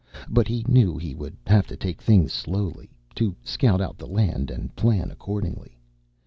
But he knew that he would have to take things slowly, to scout out the land and plan accordingly.